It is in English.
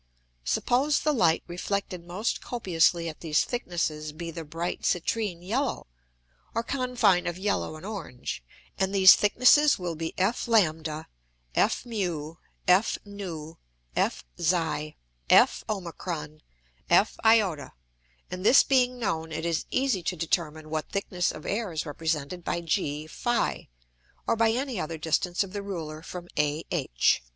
Suppose the Light reflected most copiously at these thicknesses be the bright citrine yellow, or confine of yellow and orange, and these thicknesses will be F[Greek: l], F[Greek: m], F[Greek: u], F[Greek: x], F[Greek: o], F[Greek: t]. And this being known, it is easy to determine what thickness of Air is represented by G[Greek: ph], or by any other distance of the Ruler from AH.